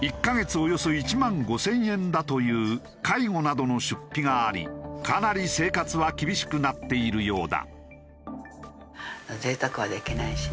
およそ１万５０００円だという介護などの出費がありかなり生活は厳しくなっているようだ。